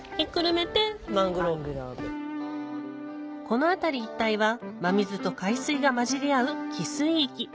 この辺り一帯は真水と海水が混じり合う汽水域